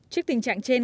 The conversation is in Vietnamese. trước tình trạng trên